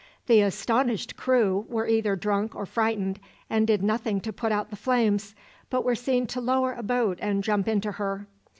The astonished crew were either drunk or frightened, and did nothing to put out the flames, but were seen to lower a boat and jump into her.